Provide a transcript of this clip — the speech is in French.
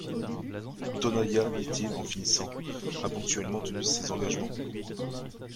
Tonaïa, dit-il en finissant, a ponctuellement tenu ses engagements.